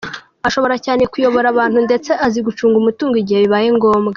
Ashobora cyane kuyobora abantu ndetse azi gucunga umutungo igihe bibaye ngombwa.